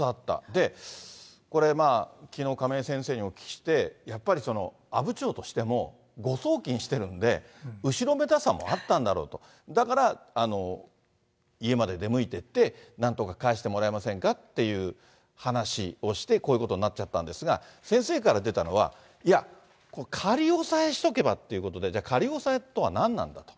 で、これ、きのう、亀井先生にお聞きして、やっぱり阿武町としても、誤送金してるんで、後ろめたさもあったんだろうと、だから家まで出向いていって、なんとか返してもらえませんかって話をして、こういうことになっちゃったんですが、先生から出たのは、いや、仮押さえしておけばっていうことで、じゃあ、仮押さえとは何なんだと。